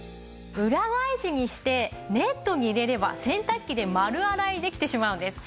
裏返しにしてネットに入れれば洗濯機で丸洗いできてしまうんです。